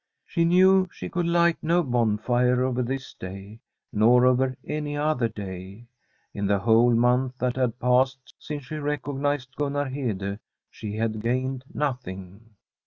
She knew she could light no bonfire over this day, nor over any other day. In the whole month that had passed since she recognised Gun nar Hede she had gained nothing.